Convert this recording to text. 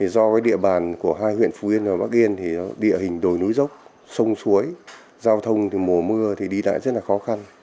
do địa bàn của hai huyện phú yên và bắc yên thì địa hình đồi núi dốc sông suối giao thông mùa mưa thì đi lại rất là khó khăn